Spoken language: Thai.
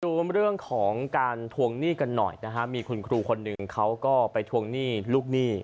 ดูเรื่องของการทวงหนี้กันหน่อยนะฮะมีคุณครูคนหนึ่งเขาก็ไปทวงหนี้ลูกหนี้